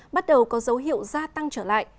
bắt đầu có dấu hiệu gia tăng trở lại